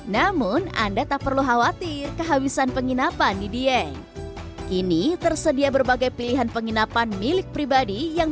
namun anda tak perlu khawatir kehabisan penginapan di dieng